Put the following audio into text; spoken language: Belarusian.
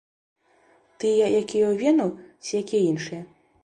Тыя, якія ў вену, ці якія іншыя?